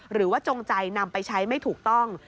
หรือว่าจงใจนำไปใช้ไม่ถูกต้อง